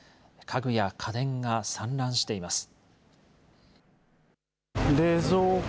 家具や家電が散乱しています。